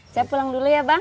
saya pulang dulu ya bang